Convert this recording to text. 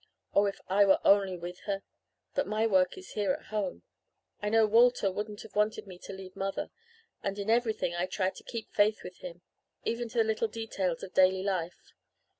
Oh, if I were only with her! But my work is here at home. I know Walter wouldn't have wanted me to leave mother and in everything I try to 'keep faith' with him, even to the little details of daily life.